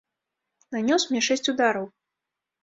Нанёс мне шэсць удараў.